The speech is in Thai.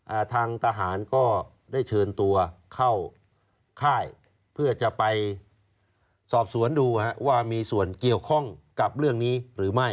อ่าทางทหารก็ได้เชิญตัวเข้าค่ายเพื่อจะไปสอบสวนดูฮะว่ามีส่วนเกี่ยวข้องกับเรื่องนี้หรือไม่